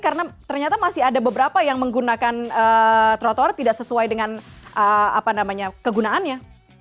karena ternyata masih ada beberapa yang menggunakan trotoar tidak sesuai dengan kegunaannya